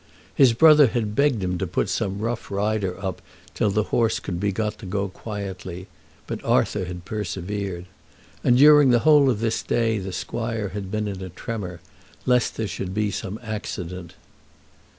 His brother had begged him to put some rough rider up till the horse could be got to go quietly, but Arthur had persevered. And during the whole of this day the squire had been in a tremor, lest there should be some accident.